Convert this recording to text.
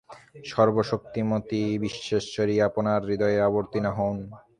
সর্বশক্তিমতী বিশ্বেশ্বরী আপনার হৃদয়ে অবতীর্ণা হউন।